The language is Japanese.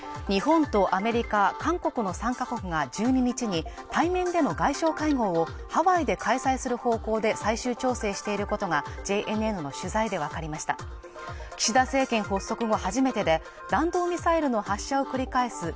日本とアメリカ、韓国の３か国が１２日に対面での外相会合をハワイで開催する方向で最終調整していることがＪＮＮの取材で分かりました岸田政権発足後初めてで弾道ミサイルの発射を繰り返す